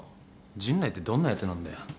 陣内ってどんなやつなんだよ？